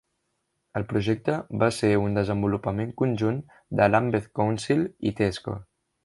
El projecte va ser un desenvolupament conjunt de Lambeth Council i Tesco.